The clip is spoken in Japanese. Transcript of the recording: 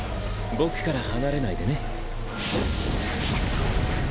僕から離れないでね。